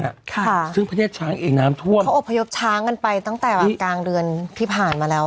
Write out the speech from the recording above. ค่ะซึ่งประเทศช้างเองน้ำท่วมเขาอบพยพช้างกันไปตั้งแต่กลางเดือนที่ผ่านมาแล้ว